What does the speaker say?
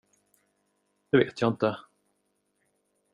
Det vet jag inte.